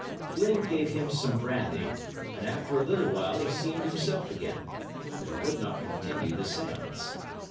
Flynn gave him some brandy, and after a little while he seemed himself again; but he would not continue the séance.